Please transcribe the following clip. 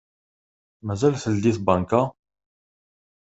Mazal teldi tbanka?